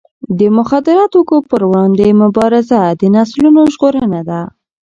د مخدره توکو پر وړاندې مبارزه د نسلونو ژغورنه ده.